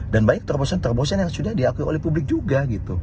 dan banyak terbosan terbosan yang sudah diakui oleh publik juga